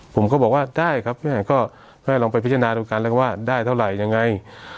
ผมก็บอกว่าได้ครับแม่ก็ให้ลองไปพิจารณาดูกันแล้วว่าได้เท่าไหร่ยังไง